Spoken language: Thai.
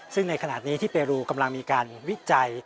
ซึ่งในขณะนี้ที่เปรูกำลังมีการวิจัย